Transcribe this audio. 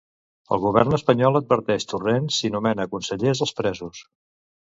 El govern espanyol adverteix Torrent si nomena consellers els presos.